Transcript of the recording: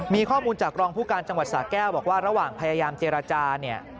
มีข้อมูลจากรองผู้การจังหวัดสาแก้วบอกว่าระหว่างพยายามเจรจาเนี่ย